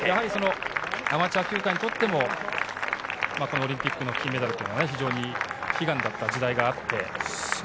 アマチュア球界にとっても、このオリンピックの金メダルは非常に悲願だった時代があって。